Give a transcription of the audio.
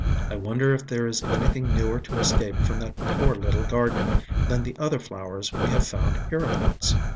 I wonder if there is anything newer to escape from that poor little garden than the other flowers we have found hereabouts!"